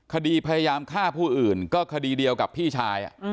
คดีพยายามฆ่าผู้อื่นก็คดีเดียวกับพี่ชาย